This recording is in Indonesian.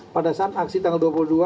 pada saat aksi tanggal dua puluh dua